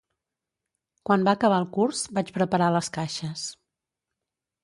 Quan va acabar el curs, vaig preparar les caixes.